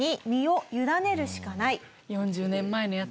４０年前のやつ。